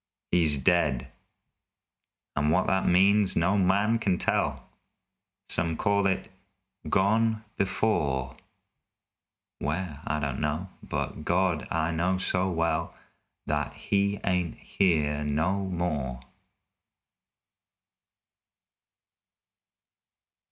He's dead and what that means no man kin tell. Some call it "gone before." Where? I don't know, but God! I know so well That he ain't here no more!